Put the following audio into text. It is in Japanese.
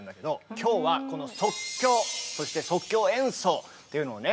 今日はこの即興そして即興演奏というのをね